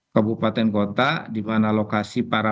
kabupaten kota dimana lokasi para